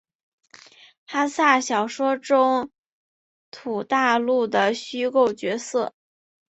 哈索小说中土大陆的虚构角色。